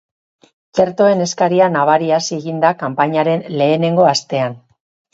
Txertoen eskaria nabari hasi egin da kanpainaren lehenengo astean.